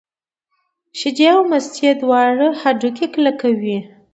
شیدې او مستې دواړه هډوکي کلک کوي.